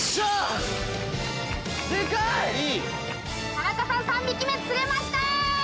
田中さん３匹目釣れました！